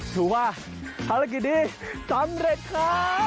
ถือว่าภารกิจนี้สำเร็จครับ